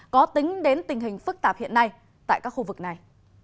có tính đến tình hình phức tạp hiện nay tại các khu vực này